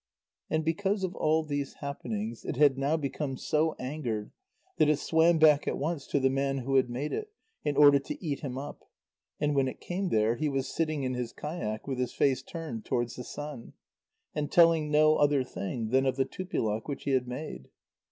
And because of all these happenings, it had now become so angered that it swam back at once to the man who had made it, in order to eat him up. And when it came there, he was sitting in his kayak with his face turned towards the sun, and telling no other thing than of the Tupilak which he had made.